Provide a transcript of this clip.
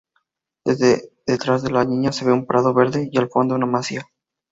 Detrás de la niña se ve un prado verde y al fondo una masía.